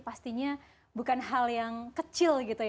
pastinya bukan hal yang kecil